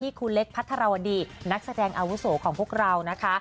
ครูเล็กพัทรวดีนักแสดงอาวุโสของพวกเรานะคะ